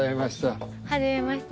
はじめまして。